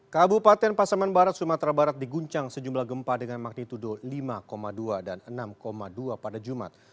kabupaten pasaman barat sumatera barat diguncang sejumlah gempa dengan magnitudo lima dua dan enam dua pada jumat